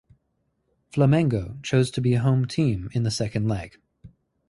Flamengo chose to be home team in the second leg.